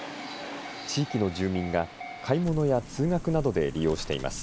地域の住民が買い物や通学などで利用しています。